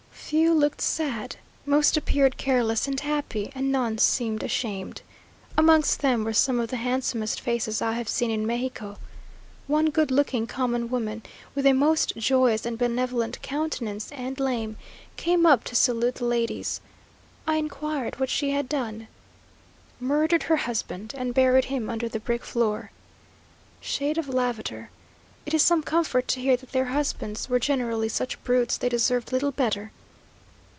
Few looked sad; most appeared careless and happy, and none seemed ashamed. Amongst them were some of the handsomest faces I have seen in Mexico. One good looking common woman, with a most joyous and benevolent countenance, and lame, came up to salute the ladies. I inquired what she had done. "Murdered her husband, and buried him under the brick floor!" Shade of Lavater! It is some comfort to hear that their husbands were generally such brutes, they deserved little better!